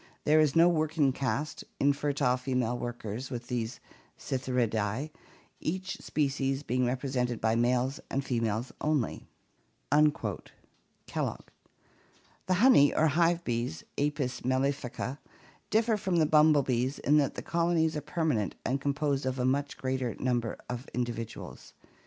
There is no working caste, infertile female workers, with these Psithyridae, each species being represented by males and fe males only" (Kellogg). The honey or hive bees, Apis mellifica (Fig. 39), differ from the bumblebees in that the colonies are permanent and composed of a much greater number of individuals.